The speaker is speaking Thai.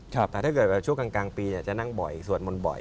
แต่ถ้าเกิดว่าช่วงกลางปีจะนั่งบ่อยสวดมนต์บ่อย